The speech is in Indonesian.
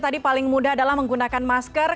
tadi paling mudah adalah menggunakan masker